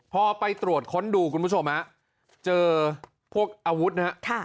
พอไปตรวจค้นดูคุณผู้ชมฮะเจอพวกอาวุธนะครับ